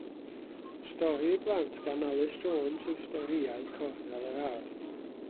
Stori i blant gan Alys Jones yw Storïau Cornel yr Ardd.